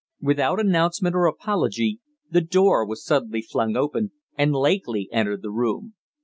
Without announcement or apology, the door was suddenly flung open and Lakely entered the room.